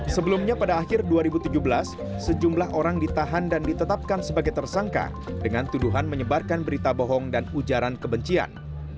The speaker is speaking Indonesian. sebelumnya pada akhir dua ribu tujuh belas sejumlah orang ditahan dan ditetapkan sebagai tersangka dengan tuduhan menyebarkan berita bohong dan ujaran kebencian